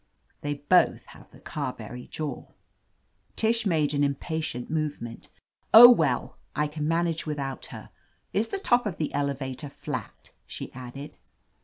They both have the Carberry jaw. Tish made an impa tient movement. *'0h, wel?,''l can manage without her. Is the top of the elevator flat?"' she added.